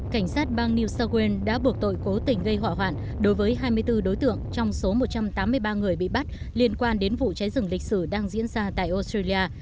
cảnh sát bang new south wales đã buộc tội cố tình gây hỏa hoạn đối với hai mươi bốn đối tượng trong số một trăm tám mươi ba người bị bắt liên quan đến vụ cháy rừng lịch sử đang diễn ra tại australia